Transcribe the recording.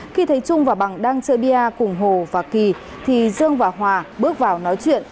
khi thấy trung và bằng đang chơi bia cùng hồ và kỳ thì dương và hòa bước vào nói chuyện